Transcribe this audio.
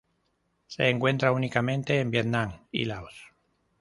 Se encuentra únicamente en Vietnam y Laos.